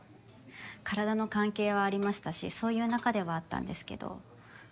体の関係はありましたしそういう仲ではあったんですけど。